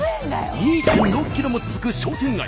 ２．６ｋｍも続く商店街。